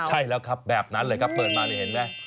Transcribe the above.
ใช่แล้วครับแบบนั้นเลยครับเปิดมานี่เห็นไหม